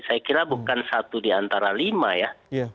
saya kira bukan satu di antara lima ya